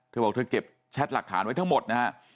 เธอบอกเธอเก็บแชทหลักฐานไว้ทั้งหมดนะฮะ